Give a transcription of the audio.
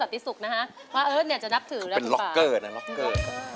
ทำงานด้วยกันมาหลายเทป